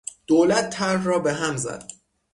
دولت طرح را به هم زد.